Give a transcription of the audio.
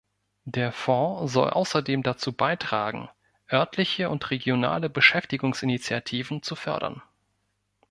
Der Fonds soll außerdem dazu beitragen, örtliche und regionale Beschäftigungsinitiativen zu fördern.